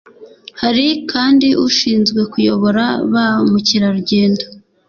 hari kandi ushinzwe kuyobora ba mukerarugendo